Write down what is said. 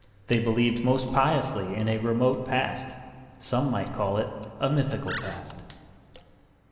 They believed most piously in a remote past; some might call it a mythical past.